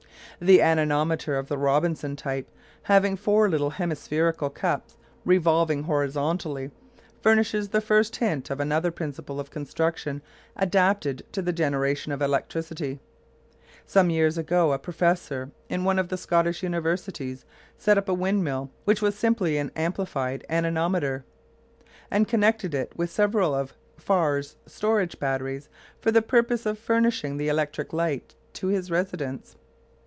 The anemometer of the "Robinson" type, having four little hemispherical cups revolving horizontally, furnishes the first hint of another principle of construction adapted to the generation of electricity. Some years ago a professor in one of the Scottish Universities set up a windmill which was simply an amplified anemometer, and connected it with several of Faure's storage batteries for the purpose of furnishing the electric light to his residence.